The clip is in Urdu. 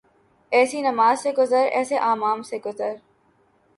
ایسی نماز سے گزر ایسے امام سے گزر